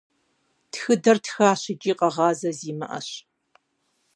Тхыдэр тхащ икӀи къэгъазэ зимыӀэщ.